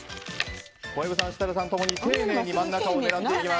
小籔さん、設楽さん共に丁寧に真ん中を狙っていきます。